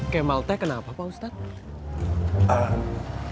kemal teh kenapa pak ustadz